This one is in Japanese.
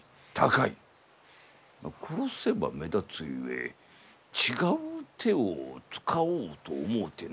殺せば目立つゆえ違う手を使おうと思うての。